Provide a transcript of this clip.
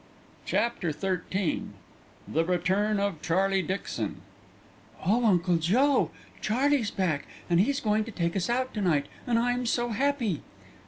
CHAPTER XIII THE RETURN OF CHARLIE DIXON "Oh, Uncle Joe! Charlie's back, and he's going to take us out to night, and I'm so happy."